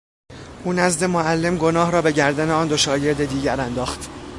او نزد معلم گناه را به گردن آن دو شاگرد دیگر انداخت.